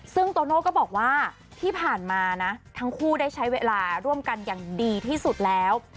ซึ่งโตโน่ก็บอกว่าที่ผ่านมานะทั้งคู่ได้ใช้เวลาร่วมกันอย่างดีที่สุดแล้ว